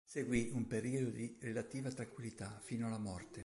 Seguì un periodo di relativa tranquillità, fino alla morte.